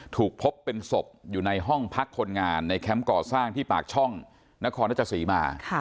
ถูกพบเป็นศพอยู่ในห้องพักคนงานในแคมป์ก่อสร้างที่ปากช่องนครรัชศรีมา